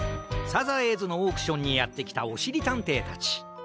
サザエーズのオークションにやってきたおしりたんていたち。